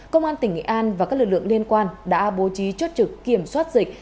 công an tỉnh nghệ an và các lực lượng liên quan đã bố trí chốt trực kiểm soát dịch